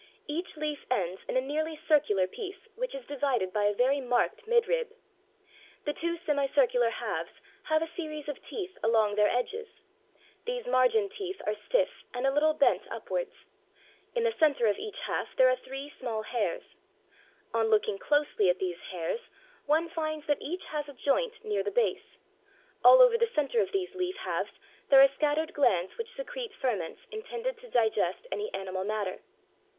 Each leaf ends in a nearly circular piece which is divided by a very marked midrib. The two semicircular halves have a series of teeth along their edges; these margin teeth are stiff and a little bent upwards. In the centre of each half there are three small hairs. On looking closely at these hairs one finds that each has a joint near the base; all over the centre of these leaf halves there are scattered glands which secrete ferments intended to digest any animal matter.